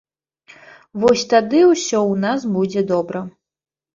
Вось тады ўсё у нас будзе добра.